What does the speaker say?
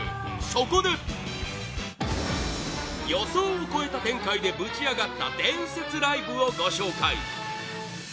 そこで予想を超えた展開でぶちアガった伝説ライブをご紹介